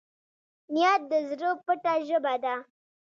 نیت د زړه پټه ژبه ده.